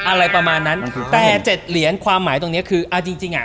อะไรประมาณนั้นแต่เจ็ดเหรียญความหมายตรงเนี้ยคือเอาจริงจริงอ่ะ